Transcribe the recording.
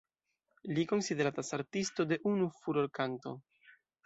Li konsideratas Artisto de unu furorkanto.